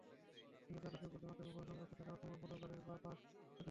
কিন্তু চালকের বুদ্ধিমত্তায় মুখোমুখি সংঘর্ষ ঠেকানো সম্ভব হলেও গাড়ির বাঁ-পাশ ক্ষতিগ্রস্ত হয়।